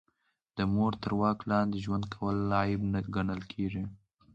د مور تر واک لاندې ژوند کول عیب ګڼل کیږي